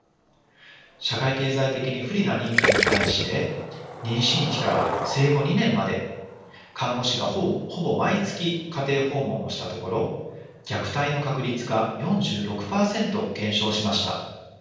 社会経済的に不利な妊婦に対して妊娠期から生後２年まで看護師がほぼ毎月家庭訪問をしたところ虐待の確率が４６％減少しました。